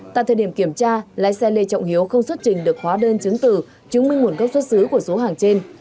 tại thời điểm kiểm tra lái xe lê trọng hiếu không xuất trình được hóa đơn chứng từ chứng minh nguồn gốc xuất xứ của số hàng trên